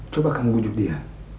coba kamu ujuk dia